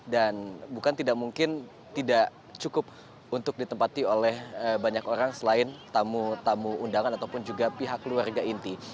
dan bukan tidak mungkin tidak cukup untuk ditempati oleh banyak orang selain tamu tamu undangan ataupun juga pihak keluarga inti